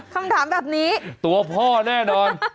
คำถามแบบนี้ตัวพ่อแน่นอน